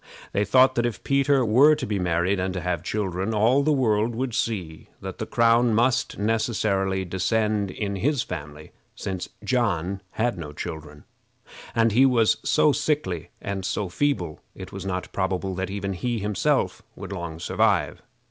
They thought that if Peter were to be married, and to have children, all the world would see that the crown must necessarily descend in his family, since John had no children, and he was so sickly and feeble that it was not probable that even he himself would long survive.